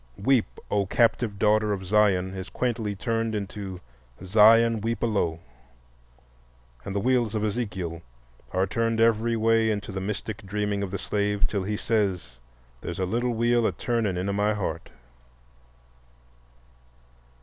"Weep, O captive daughter of Zion," is quaintly turned into "Zion, weep a low," and the wheels of Ezekiel are turned every way in the mystic dreaming of the slave, till he says: "There's a little wheel a turnin' in a my heart."